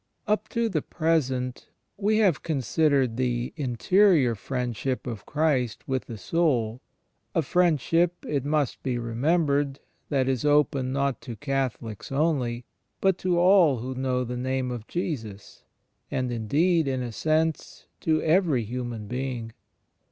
Up to the present we have considered the Interior Friendship of Christ with the soul, — a Friendship, it must be remembered, that is open not to Catholics only, but to all who know the Name of Jesus, and indeed, in a sense, to every human being.